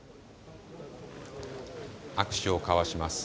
握手を交わします。